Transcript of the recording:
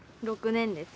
６年です。